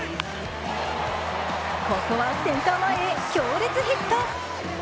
ここはセンター前へ強烈ヒット。